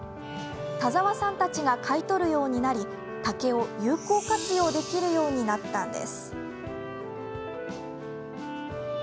田澤さんたちが買い取るようになり竹を有効活用できるようになったんです。